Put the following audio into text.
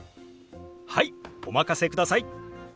はいお任せください。